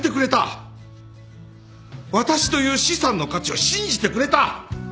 私という資産の価値を信じてくれた。